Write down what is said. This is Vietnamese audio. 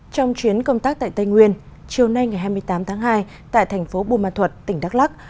trong chuyến công tác tại tây nguyên chiều nay ngày hai mươi tám tháng hai tại thành phố bùa ma thuật tỉnh đắk lắc